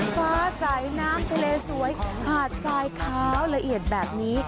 ฟ้าสายน้ำทะเลสวยหาดทรายขาวละเอียดแบบนี้